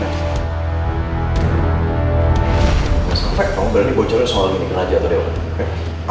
gak sempet lo berani bocorin sama lo ini kerajaan atau dewa